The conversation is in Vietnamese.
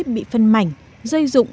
bị phân mảnh rơi rụng